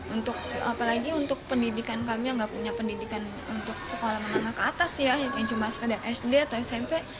untuk apalagi untuk pendidikan kami yang nggak punya pendidikan untuk sekolah menengah ke atas ya yang cuma sekedar sd atau smp